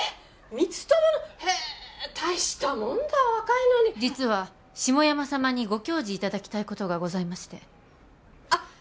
光友のへえ大したもんだわ若いのに実は下山様にご教示いただきたいことがございましてあっ